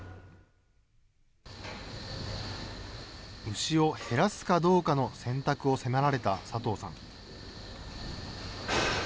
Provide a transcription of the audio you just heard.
牛を減らすかどうかの選択を迫られた佐藤さん。